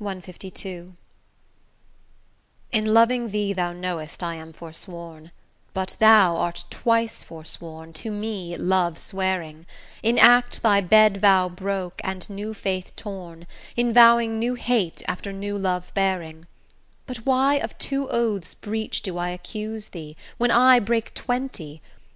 CLII In loving thee thou know'st I am forsworn, But thou art twice forsworn, to me love swearing; In act thy bed vow broke, and new faith torn, In vowing new hate after new love bearing: But why of two oaths' breach do I accuse thee, When I break twenty?